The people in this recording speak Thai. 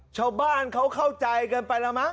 ชาวบ้านเขาเข้าใจกันไปแล้วมั้